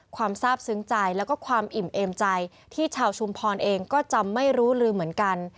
ความทราบซึ้งใจแล้วก็ความอิ่มเอมใจที่ชาวชุมพรเองก็จำไม่รู้ลืมเหมือนกัน